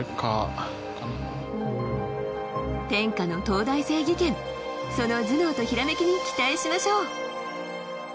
天下の東大生技研その頭脳とひらめきに期待しましょう！